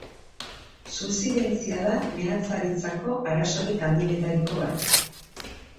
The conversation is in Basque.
Subsidentzia da meatzaritzako arazorik handienetariko bat.